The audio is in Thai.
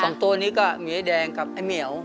ตัวนี้ก็มีไอ้แดงกับไอ้เหมียว